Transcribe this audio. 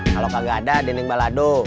kalau kagak ada dinding balado